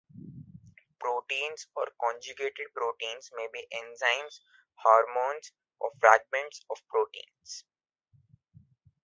Proteins or conjugated proteins may be enzymes, hormones or fragments of proteins.